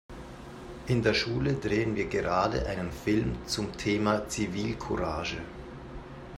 In der Schule drehen wir gerade einen Film zum Thema Zivilcourage.